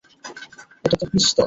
এটা তো পিস্তল!